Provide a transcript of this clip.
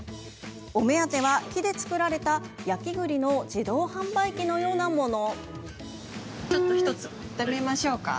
お目当ては、木で作られた焼き栗の自動販売機のようなもの。